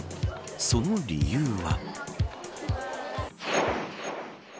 その理由は。